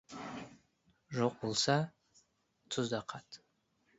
Жоқ болса, тұз да қат.